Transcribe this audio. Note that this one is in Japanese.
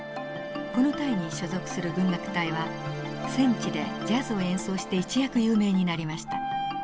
この隊に所属する軍楽隊は戦地でジャズを演奏して一躍有名になりました。